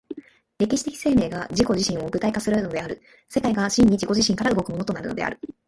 歴史的生命が自己自身を具体化するのである、世界が真に自己自身から動くものとなるのである。